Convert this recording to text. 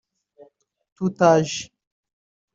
Tout Age